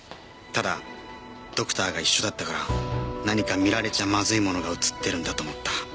ただドクターが一緒だったから何か見られちゃまずいものが映ってるんだと思った。